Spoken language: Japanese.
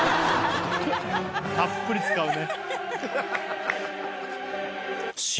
たっぷり使うね。